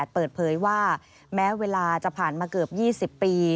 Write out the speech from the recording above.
เปิดเผยว่าแม้เวลาจะผ่านมาเกือบ๒๐ปี